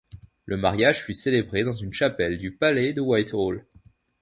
Le mariage fut célébré dans une chapelle du palais de Whitehall.